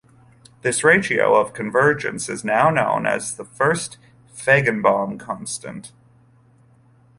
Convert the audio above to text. This "ratio of convergence" is now known as the first Feigenbaum constant.